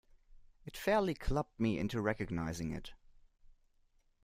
It fairly clubbed me into recognizing it.